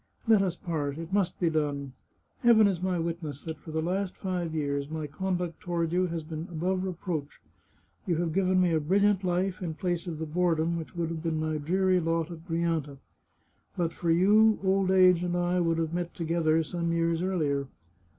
" Let us part ! It must be done. Heaven is my witness that for the last five years my conduct toward you has been above reproach. You have given me a briU liant life in place of the boredom which would have been my dreary lot at Grianta. But for you, old age and I would have met together some years earlier.